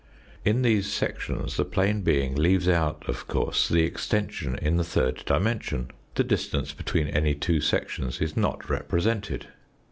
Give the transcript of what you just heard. In these sections the plane being leaves out, of course, the extension in the third dimension ; the distance between any two sections is not represented.